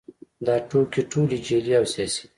دا ټوکې ټولې جعلي او سیاسي دي